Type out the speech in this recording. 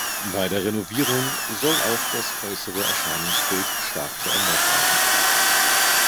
Bei der Renovierung soll auch das äußere Erscheinungsbild stark verändert werden.